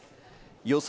予想